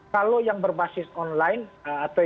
kalau yang berbasis online atau